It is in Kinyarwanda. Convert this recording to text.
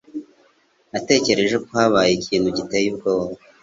Natekereje ko habaye ikintu giteye ubwoba.